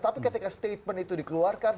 tapi ketika statement itu dikeluarkan